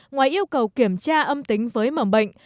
ngoài yêu cầu kiểm tra âm tính với mầm bệnh